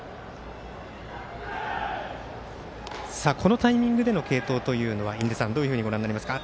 このタイミングでの継投というのはどういうふうにご覧になりますか。